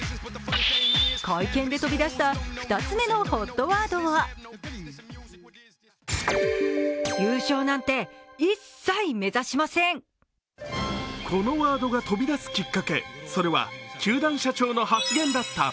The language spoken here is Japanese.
会見で飛び出した２つ目のＨＯＴワードはこのワードが飛び出すきっかけ、それは球団社長の発言だった。